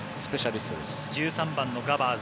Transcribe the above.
１３番のガバーズ。